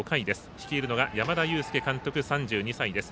率いるのが山田祐輔監督３２歳です。